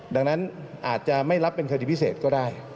ดังนั้นอาจจะไม่รับเป็นคดีพิเศษก็ได้